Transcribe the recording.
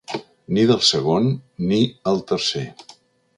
Ni del segon, ni el tercer.